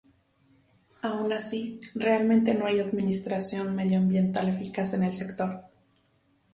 Aun así, realmente no hay administración medioambiental eficaz en el sector.